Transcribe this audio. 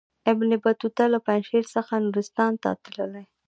ابن بطوطه له پنجشیر څخه نورستان ته تللی.